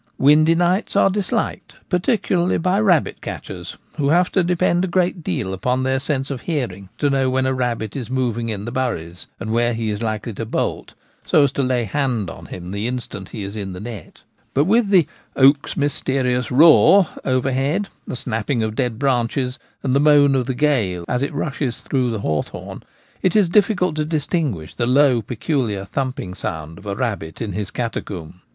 Windy nights are disliked, particularly by rabbit catchers, who have to depend a great deal upon their sense of hearing to know when a rabbit is moving in the 'buries,' and where he is likely to 'bolt,' so as to lay hands on him the instant he is in the net But L 146 The Gamekeeper at Home. with the ' oak's mysterious roar ' overhead, the snap ping of dead branches, and the moan of the gale as it rushes through the hawthorn, it is difficult to distin guish the low, peculiar thumping sound of a rabbit in his catacomb.